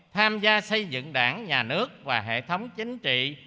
tham gia xây dựng đảng nhà nước và hệ thống chính trị